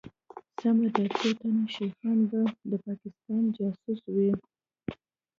سمه ده څوتنه شيخان به دپاکستان جاسوسان وي